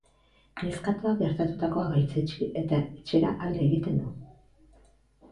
Neskatoak gertatutakoa gaitzetsi eta etxera alde egiten du.